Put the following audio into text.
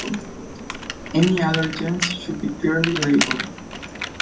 Any allergens should be clearly labelled.